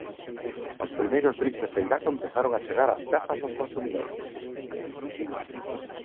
Os primeiros briks de Feiraco empezaron a chegar ás casas dos consumidores.